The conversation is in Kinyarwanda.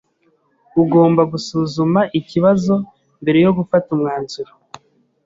Ugomba gusuzuma ikibazo mbere yo gufata umwanzuro.